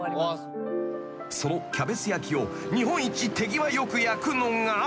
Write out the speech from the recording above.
［そのキャベツ焼を日本一手際よく焼くのが］